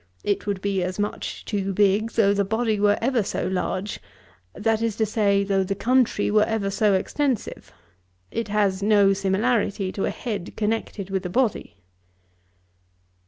It would be as much too big, though the body were ever so large; that is to say, though the country were ever so extensive. It has no similarity to a head connected with a body.'